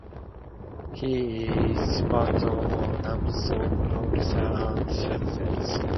He is a Patron of numerous organisations and charities.